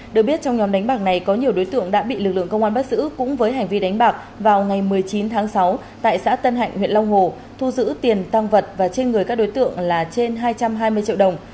được biết trong nhóm đánh bạc này có nhiều đối tượng đã bị lực lượng công an bắt giữ cũng với hành vi đánh bạc vào ngày một mươi chín tháng sáu tại xã tân hạnh huyện long hồ thu giữ tiền tăng vật và trên người các đối tượng là trên hai trăm hai mươi triệu đồng